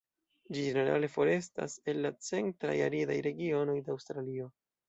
Ĝi ĝenerale forestas el la centraj aridaj regionoj de Aŭstralio.